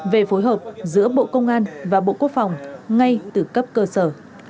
về phối hợp giữa bộ công an và bộ quốc phòng ngay từ cấp cơ sở